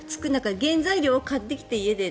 原材料を買ってきて家で。